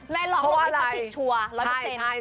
แม่หลอกบอกความผิดชัวร์